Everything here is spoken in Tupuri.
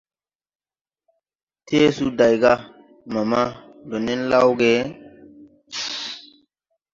Tɛɛsu day ga: Mama, ndo nen lawge ?